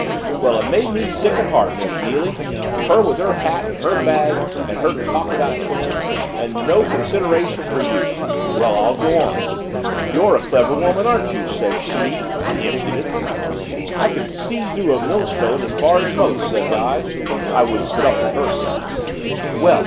"Well, it made me sick at heart, Miss Neily. Her with her hat and her bag and her talk about twins and no consideration for you. Well, I'll go on. 'You're a clever woman, aren't you?' says she the impudence! 'I can see through a millstone as far as most,' says I I wouldn't put up with her sauce. 'Well!'